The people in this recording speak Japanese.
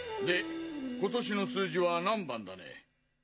で今年の数字は何番だね？